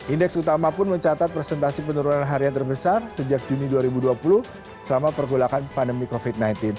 indeks utama pun mencatat presentasi penurunan harian terbesar sejak juni dua ribu dua puluh selama pergolakan pandemi covid sembilan belas